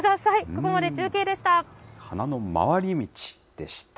ここまで中継でした。